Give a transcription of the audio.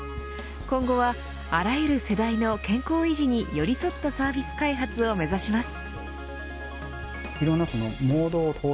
今後はあらゆる世代の健康維持に寄り添ったサービス開発を目指します。